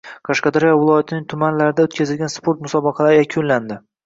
Qashqadaryo viloyatining tumanlarida o‘tkazilgan sport musobaqalari yakunlandi